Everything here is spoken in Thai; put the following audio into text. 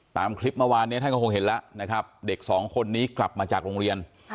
ตามคลิปเมื่อวานท่านก็คงเห็นเด็กสองคนนี้กลับมาจากโรงเรียน